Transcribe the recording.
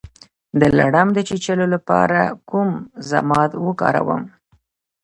د لړم د چیچلو لپاره کوم ضماد وکاروم؟